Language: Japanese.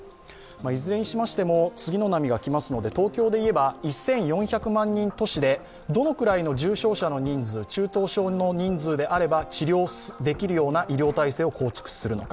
いずれにしましても次の波が来ますので東京で言えば１４００万人都市でどのくらいの重症者数の人数、中等症の人数であれば治療できるような医療体制を構築するのか。